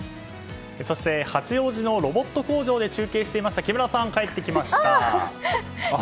そして八王子のロボット工場で中継していた木村さん、帰ってきました。